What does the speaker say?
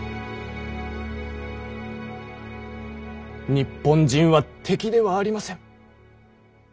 日本人は敵ではありません。